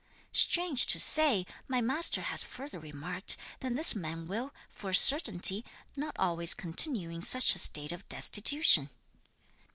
Strange to say, my master has further remarked that this man will, for a certainty, not always continue in such a state of destitution."